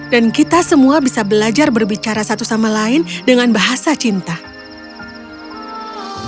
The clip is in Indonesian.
dan kita semua bisa belajar berbicara satu sama lain dengan bahasa yang sama